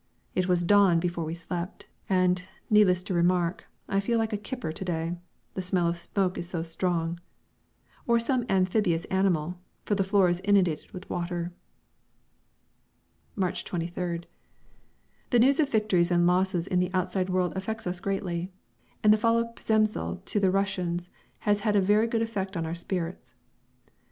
It was dawn before we slept, and, needless to remark, I feel like a kipper to day, the smell of the smoke is so strong; or some amphibious animal, for the floor is inundated with water. March 23rd. The news of victories and losses in the outside world affects us greatly, and the fall of Przemysl to the Russians has had a very good effect on our spirits.